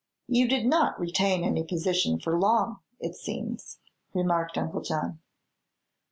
"You did not retain any position for long, it seems," remarked Uncle John.